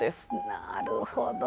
なるほど。